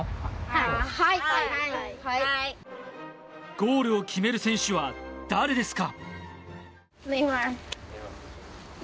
ゴールを決める選手は誰ですか。